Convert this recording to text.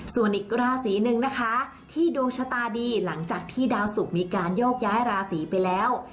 ส่วนอีกราศีหนึ่งนะคะที่ดวงชะตาดีหลังจากที่ดาวสุกมีการโยกย้ายราศีไปแล้ว